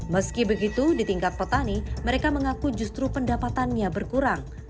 meski begitu di tingkat petani mereka mengaku justru pendapatannya berkurang